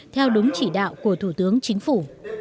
theo đúng chỉ đạo của thủ tướng chính phủ